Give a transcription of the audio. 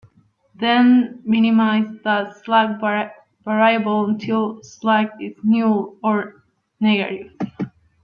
Then, minimize that slack variable until slack is null or negative.